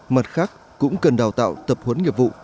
mặt khác cũng cần đào tạo tập huấn nghiệp vụ